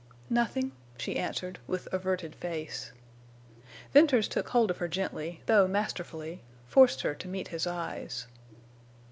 "Nothing," she answered, with averted face. Venters took hold of her gently, though masterfully, forced her to meet his eyes.